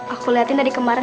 aku lihatin dari kemarin